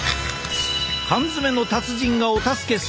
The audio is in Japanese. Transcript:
缶詰の達人がお助けする！